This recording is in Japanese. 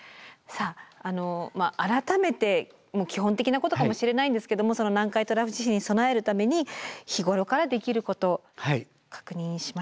さあ改めて基本的なことかもしれないんですけどもその南海トラフ地震に備えるために日頃からできることを確認しましょう。